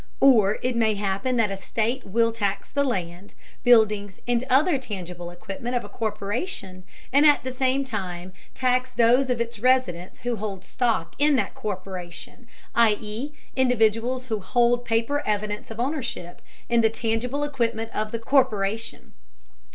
Or it may happen that a state will tax the land, buildings and other tangible equipment of a corporation, and at the same time tax those of its residents who hold stock in that corporation, i.e. individuals who hold paper evidence of ownership in the tangible equipment of the corporation.